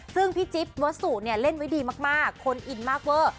ซึ่งพี่จิ๊บวัสสุเนี่ยเล่นไว้ดีมากคนอินมากเวอร์